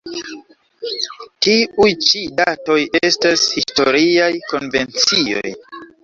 Tiuj ĉi datoj estas historiaj konvencioj.